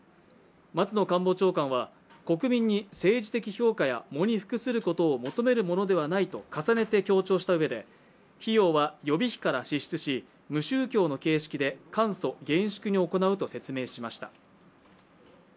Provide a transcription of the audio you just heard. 松野官房長官は国民に政治的評価や喪に服することを求めるものではないと重ねて強調したうえで、費用は予備費から支出し無宗教の形式で簡素・厳粛に行うと説明しました。